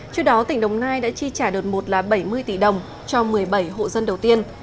trước đó tỉnh đồng nai đã chi trả đợt một là bảy mươi tỷ đồng cho một mươi bảy hộ dân đầu tiên